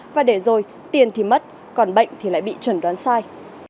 và để rồi tiền thì mất còn bệnh thì lại bị chuẩn đoán sai